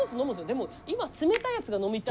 でも今冷たいやつが飲みたいんで。